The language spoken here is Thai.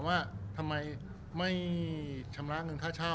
รูปนั้นผมก็เป็นคนถ่ายเองเคลียร์กับเรา